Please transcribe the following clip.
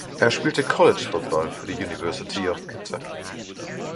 Er spielte College Football für die University of Kentucky.